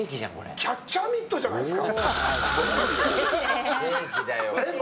キャッチャーミットじゃないですか。